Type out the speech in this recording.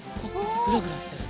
グラグラしてる。